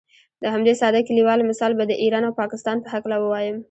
د همدې ساده کلیوال مثال به د ایران او پاکستان په هکله ووایم.